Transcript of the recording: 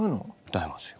歌いますよ。